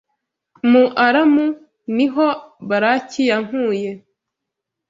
Mu Aramu ni ho Balaki yankuye